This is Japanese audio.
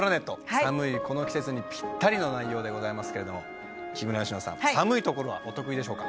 寒いこの季節にぴったりの内容でございますけれど木村佳乃さん寒い所はお得意でしょうか？